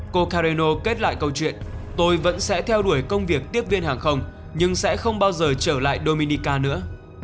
cocareno kết lại câu chuyện tôi vẫn sẽ theo đuổi công việc tiếp viên hàng không nhưng sẽ không bao giờ trở lại dominica nữa